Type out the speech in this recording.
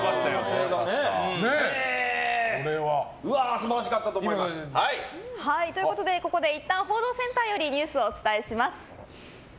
素晴らしいですね。ということでここでいったん報道センターからニュースをお伝えします。